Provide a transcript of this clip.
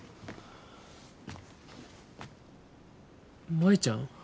舞ちゃん。